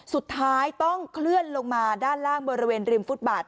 สุดท้ายต้องเคลื่อนลงมาด้านล่างบริเวณริมฟุตบาท